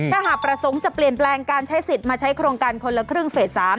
ถ้าหากประสงค์จะเปลี่ยนแปลงการใช้สิทธิ์มาใช้โครงการคนละครึ่งเฟส๓